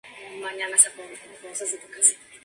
Su hábitat natural es clima templado desierto.